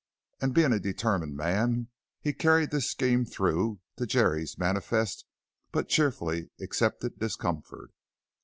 And being a determined man, he carried this scheme through, to Jerry's manifest but cheerfully accepted discomfort.